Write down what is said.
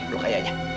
sini belok ayahnya